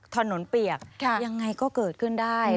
เปียกยังไงก็เกิดขึ้นได้